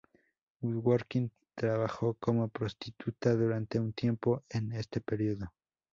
Dworkin trabajó como prostituta durante un tiempo en este periodo.